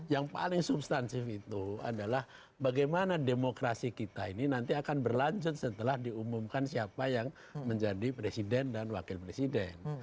yang paling substansif itu adalah bagaimana demokrasi kita ini nanti akan berlanjut setelah diumumkan siapa yang menjadi presiden dan wakil presiden